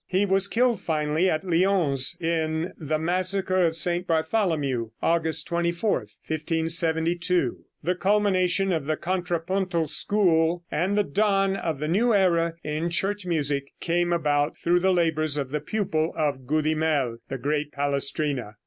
He was killed finally at Lyons in the massacre of St. Bartholomew, August 24, 1572. The culmination of the contrapuntal school and the dawn of the new era in church music came about through the labors of the pupil of Goudimel, the great Palestrina.